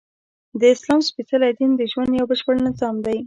د اسلام سپیڅلی دین د ژوند یؤ بشپړ نظام دی!